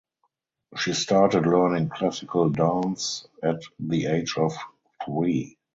She started learning classical dance at the age of three.